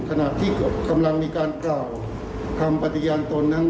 คุณสิริกัญญาบอกว่า๖๔เสียง